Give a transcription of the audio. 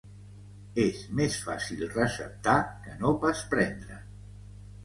És més fàcil receptar que no pas prendre.